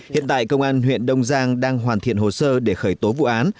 hiện tại công an huyện đông giang đang hoàn thiện hồ sơ để khởi tố vụ án